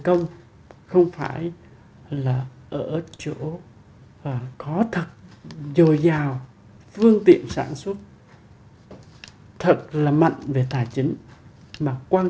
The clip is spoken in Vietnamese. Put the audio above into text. công không phải là ở chỗ có thật dồi dào phương tiện sản xuất thật là mạnh về tài chính mà quan